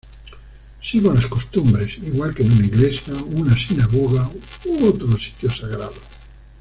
Sigo las costumbres, igual que en una iglesia, una sinagoga u otro sitio sagrado.